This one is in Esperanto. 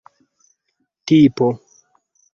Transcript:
tipo